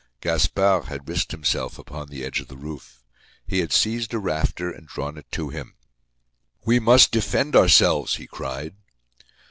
Gaspard had risked himself upon the edge of the roof. He had seized a rafter and drawn it to him. "We must defend ourselves," he cried.